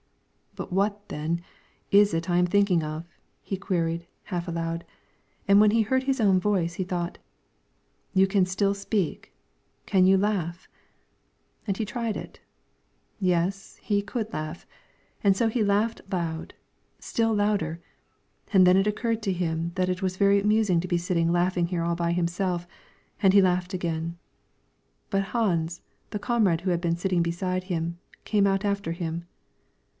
"But what, then, is it I am thinking of?" he queried, half aloud, and when he had heard his own voice, he thought: "You can still speak, can you laugh?" And then he tried it; yes, he could laugh, and so he laughed loud, still louder, and then it occurred to him that it was very amusing to be sitting laughing here all by himself, and he laughed again. But Hans, the comrade who had been sitting beside him, came out after him.